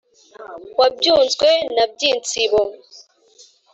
wa byunzwe na byintsibo,